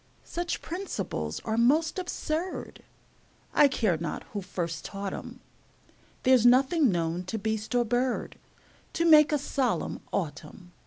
Such principles are most absurd, I care not who first taught 'em; There's nothing known to beast or bird To make a solemn autumn.